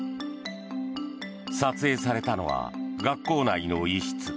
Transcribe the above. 撮影されたのは学校内の一室。